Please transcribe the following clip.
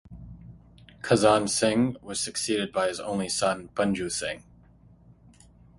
Khazan Singh was succeeded by his only son Panju Singh.